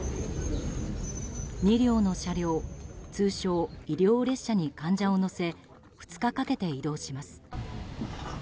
２両の車両、通称・医療列車に患者を乗せ２日かけて移動します。